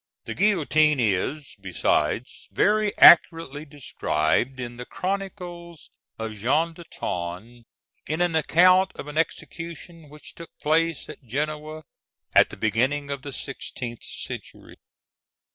The guillotine is, besides, very accurately described in the "Chronicles of Jean d'Auton," in an account of an execution which took place at Genoa at the beginning of the sixteenth century.